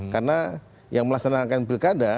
karena yang melaksanakan pilkada